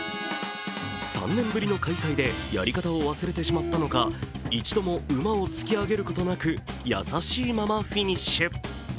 ３年ぶりの開催でやり方を忘れてしまったのか一度も馬を突き上げることなく、優しいままフィニッシュ。